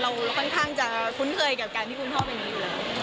เราค่อนข้างจะคุ้นเคยกับการที่คุณพ่อเป็นอยู่แล้ว